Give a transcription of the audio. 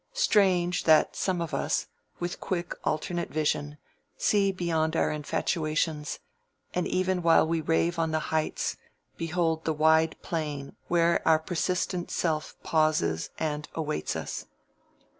Strange, that some of us, with quick alternate vision, see beyond our infatuations, and even while we rave on the heights, behold the wide plain where our persistent self pauses and awaits us.